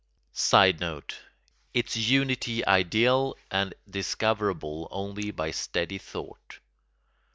[Sidenote: Its unity ideal and discoverable only by steady thought.